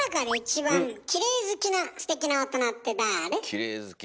きれい好き